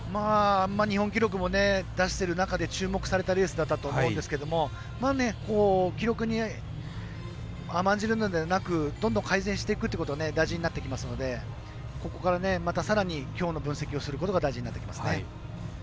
日本記録も出している中で注目されたレースだったと思うんですけど、記録に甘んじるのではなくどんどん改善していくということが大事になってきますのでここから、さらにきょうの分析をすることが大事になってきます。